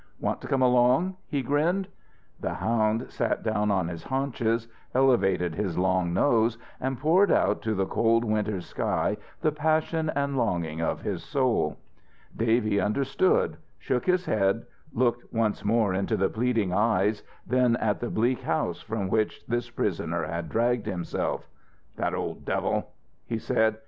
"Want to come along?" he grinned. The hound sat down on his haunches, elevated his long nose and poured out to the cold winter sky the passion and longing of his soul. Davy understood, shook his head, looked once more into the pleading eyes, then at the bleak house from which this prisoner had dragged himself. "That ol' devil!" he said.